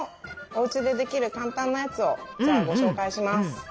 おうちでできる簡単なやつをじゃあご紹介します。